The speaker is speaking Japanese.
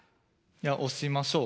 押しましょう。